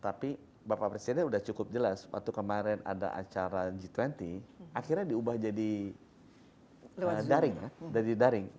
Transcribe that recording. tapi bapak presiden sudah cukup jelas waktu kemarin ada acara g dua puluh akhirnya diubah jadi daring